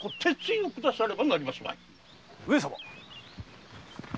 上様！